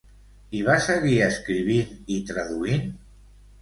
I va seguir escrivint i traduint?